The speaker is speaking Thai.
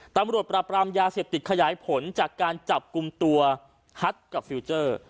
ตำรวจปราบรามยาเสพติดขยายผลจากการจับกลุ่มตัวฮัทกับฟิลเจอร์